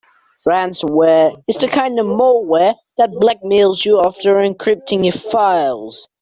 Ransomware is the kind of malware that blackmails you after encrypting your files.